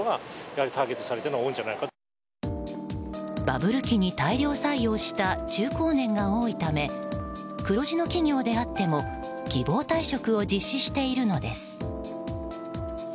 バブル期に大量採用した中高年が多いため黒字の企業であっても希望退職を実施しているのです。